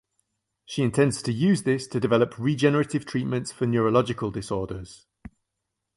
She intends to use this to develop regenerative treatments for neurological disorders.